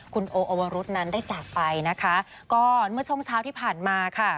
คุณโออวรุษนั้นได้จากไปนะคะก็เมื่อช่วงเช้าที่ผ่านมาค่ะ